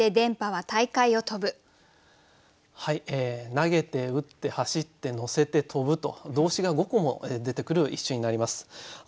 投げて打って走って乗せて飛ぶと動詞が５個も出てくる一首になります。